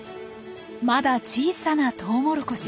まだ小さなトウモロコシ。